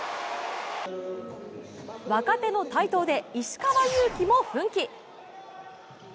若手の台頭で石川祐希も奮起。